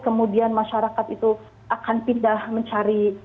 kemudian masyarakat itu akan pindah mencari